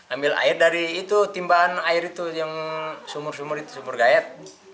ambil air dari itu timbaan air itu yang sumur sumur itu sumur gayat